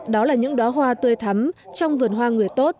đó là những đoá hoa tươi thắm trong vườn hoa người tốt